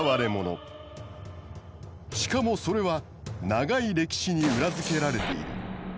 しかもそれは長い歴史に裏付けられている。